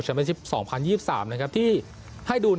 ชมเป็นชิป๒๐๒๓ที่ให้ดู